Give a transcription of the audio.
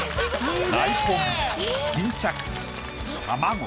大根巾着卵。